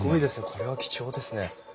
これは貴重ですね。